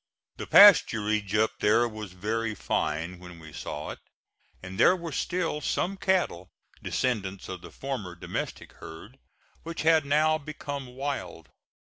The pasturage up there was very fine when we saw it, and there were still some cattle, descendants of the former domestic herd, which had now become wild.